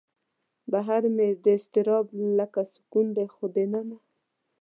بهر مې اضطراب لکه سکون دی خو دننه